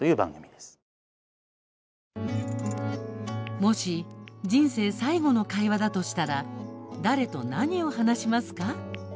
もし人生最後の会話だとしたら誰と何を話しますか？